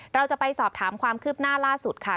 เราจะไปสอบถามความคืบหน้าล่าสุดค่ะ